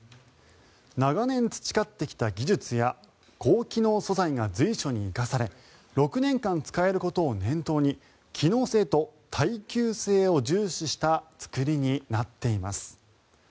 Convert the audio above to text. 長年培ってきた技術や高機能素材が随所に生かされ６年間使えることを念頭に機能性と耐久性を重視した作りになっています。